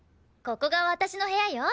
ここが私の部屋よ。